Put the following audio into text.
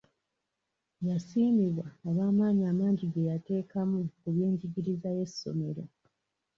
Yasiimibwa olw'amaanyi amangi ge yateekamu ku by'enjigiriza y'essomero.